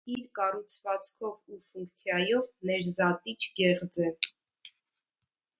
Իր կառուցվածքով ու ֆունկցիայով ներզատիչ գեղձ է։